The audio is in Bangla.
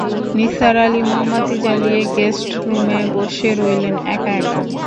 নিসার আলি মোমবাতি জ্বালিয়ে গেষ্টরুমে বসে রইলেন একা-একা!